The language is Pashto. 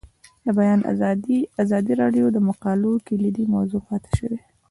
د بیان آزادي د ازادي راډیو د مقالو کلیدي موضوع پاتې شوی.